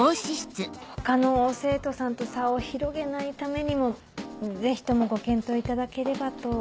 他の生徒さんと差を広げないためにもぜひともご検討いただければと。